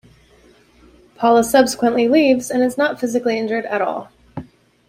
Paula subsequently leaves and is not physically injured at all.